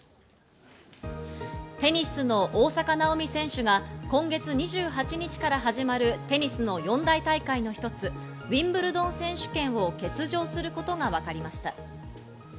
テニスの大坂なおみ選手が今月２８日から始まるテニスの四大大会の一つ、ウィンブルドン選手権を欠場することがわかりました。